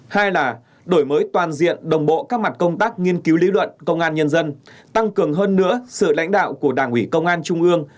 hai là đổi mới toàn diện đồng bộ các mặt công tác nghiên cứu lý luận công an nhân dân tăng cường hơn nữa sự lãnh đạo của đảng ủy công an trung ương